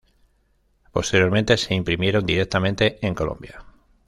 Posteriormente, se imprimieron directamente en Colombia.